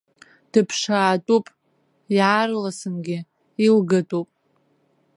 Дыԥшаатәуп, иаарласнгьы илгатәуп!